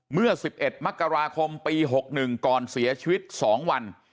เมื่อ๑๑มกราคมปี๖๑ก่อนเสียชีวิต๒วัน